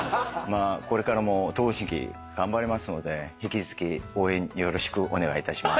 これからも東方神起頑張りますので引き続き応援よろしくお願いいたします。